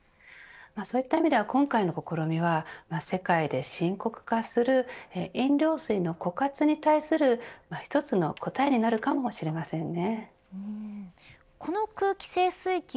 そういった意味では今回の試みは世界で深刻化する飲料水の枯渇に対する１つの答えになるかもしれませんね。